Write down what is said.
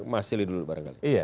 mas sili dulu barangkali